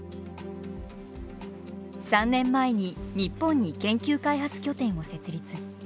３年前に日本に研究開発拠点を設立。